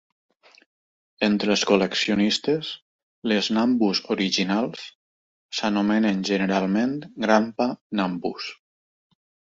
Entre els col·leccionistes, les Nambus originals s'anomenen generalment Grandpa Nambus.